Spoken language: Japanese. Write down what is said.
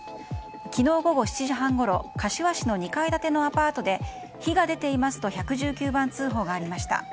昨日午後７時半ごろ柏市の２階建てのアパートで火が出ていますと１１９番通報がありました。